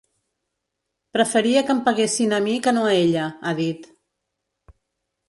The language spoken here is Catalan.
Preferia que em peguessin a mi que no a ella, ha dit.